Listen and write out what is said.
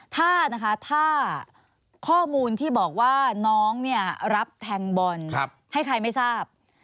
ถ้านะคะถ้าข้อมูลที่บอกว่าน้องเนี่ยรับแทงบอลให้ใครไม่ทราบ